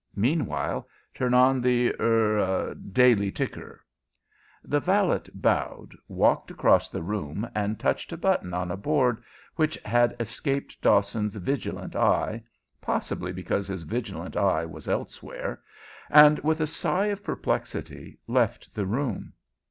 Meanwhile, turn on the er Daily Ticker." The valet bowed, walked across the room, and touched a button on a board which had escaped Dawson's vigilant eye possibly because his vigilant eye was elsewhere and, with a sigh of perplexity, left the room.